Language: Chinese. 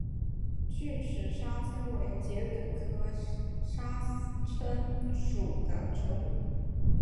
锯齿沙参为桔梗科沙参属的植物。